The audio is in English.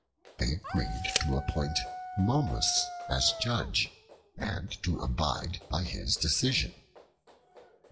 They agreed to appoint Momus as judge, and to abide by his decision.